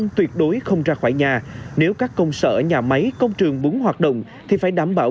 tuyệt đối không ra khỏi nhà nếu các công sở nhà máy công trường muốn hoạt động thì phải đảm bảo